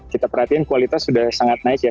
kita perhatikan kualitas sudah sangat naik ya